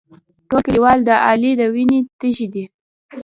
ټول کلیوال د علي د وینې تږي دي.